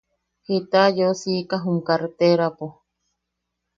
Jita yeu siika jum karreterapo.